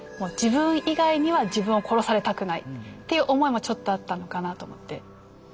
自分以外には自分を殺されたくないっていう思いもちょっとあったのかなと思って。